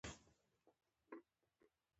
ما گومان کاوه چې هغه بيده دى.